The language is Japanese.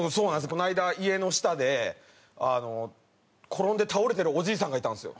この間家の下で転んで倒れてるおじいさんがいたんですよ。